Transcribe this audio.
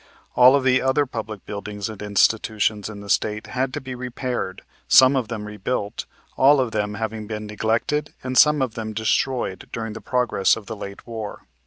All of the other public buildings and institutions in the State had to be repaired, some of them rebuilt, all of them having been neglected and some of them destroyed during the progress of the late War.